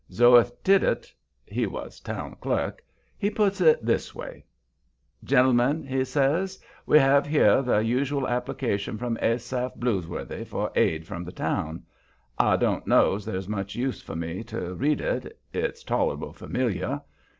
Zoeth Tiddit he was town clerk he puts it this way: "Gentlemen," he says, "we have here the usual application from Asaph Blueworthy for aid from the town. I don't know's there's much use for me to read it it's tolerable familiar.